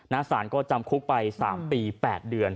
สารก็จำคุกไป๓ปี๘เดือน